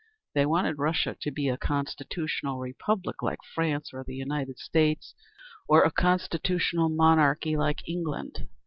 They wanted Russia to be a constitutional Republic, like France or the United States; or a constitutional Monarchy, like England.